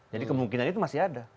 jadi kemungkinan itu masih ada